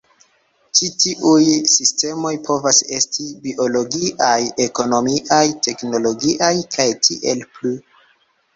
Ĉi tiuj sistemoj povas esti biologiaj, ekonomiaj, teknologiaj, kaj tiel plu.